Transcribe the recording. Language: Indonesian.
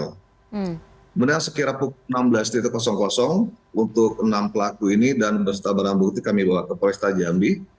kemudian sekira pukul enam belas untuk enam pelaku ini dan berserta barang bukti kami bawa ke polresta jambi